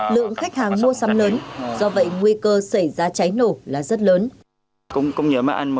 lượng khách hàng mua sắm lớn do vậy nguy cơ xảy ra cháy nổ là rất lớn